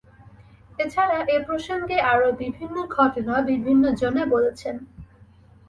এছাড়া এ প্রসঙ্গে আরও বিভিন্ন ঘটনা বিভিন্নজনে বলেছেন।